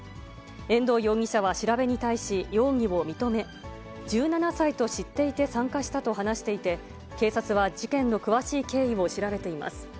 延堂容疑者は調べに対し容疑を認め、１７歳と知っていて参加したと話していて、警察は事件の詳しい経緯を調べています。